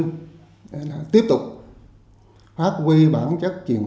họ t starter tiếp từ phim đầu tiên